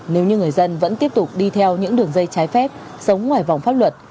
nếu như người dân vẫn tiếp tục đi theo những đường dây trái phép sống ngoài vòng pháp luật